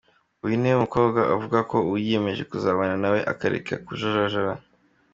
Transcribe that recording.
Uyu niwe mukobwa avuga ko ubu yiyemeje kuzabana nawe akareka kujarajara.